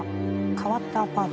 変わったアパート。